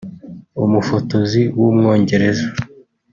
umufotozi w’umwongereza